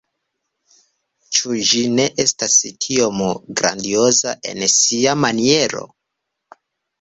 Ĉu ĝi ne estas tiom grandioza en sia maniero?